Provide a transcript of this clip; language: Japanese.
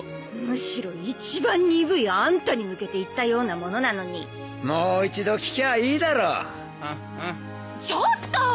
むしろ一番ニブいアンタに向けて言ったようなものなのにもう一度聞きゃあいいだろうんうんちょっと！